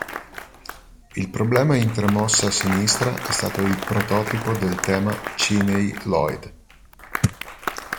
Il problema in tre mosse a sinistra è stato il "prototipo" del tema Cheney-Loyd.